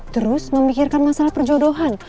terus memikirkan masalah perjodohan